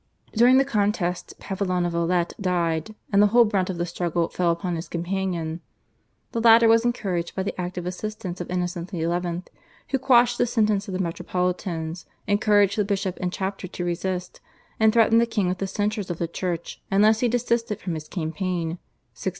During the contest Pavillon of Alet died, and the whole brunt of the struggle fell upon his companion. The latter was encouraged by the active assistance of Innocent XI., who quashed the sentence of the metropolitans, encouraged the bishop and chapter to resist, and threatened the king with the censures of the Church unless he desisted from his campaign (1678 79).